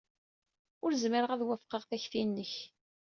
Ur zmireɣ ad wafqeɣ takti-nnek.